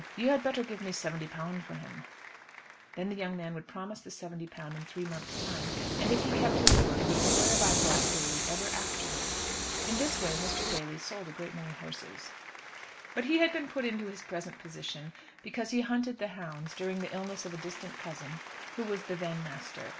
You had better give me £70 for him." Then the young man would promise the £70 in three months' time, and if he kept his word, would swear by Black Daly ever afterwards. In this way Mr. Daly sold a great many horses. But he had been put into his present position because he hunted the hounds, during the illness of a distant cousin, who was the then master.